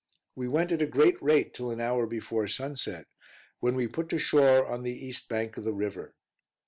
We went at a great rate till an hour before sunset, when we put to shore on the east bank of the river.